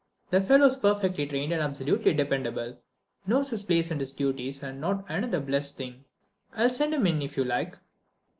The fellow's perfectly trained and absolutely dependable, knows his place and his duties and not another blessed thing. I'll send him in if you like."